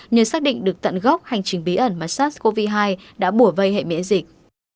nhờ xác định được tận gốc hành trình bí ẩn mà sars cov hai đã bùa vây hệ miễn dịch